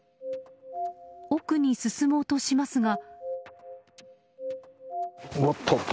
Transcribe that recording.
奥に進もうとしますが。